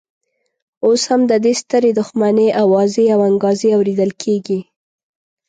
اوس هم د دې سترې دښمنۍ اوازې او انګازې اورېدل کېږي.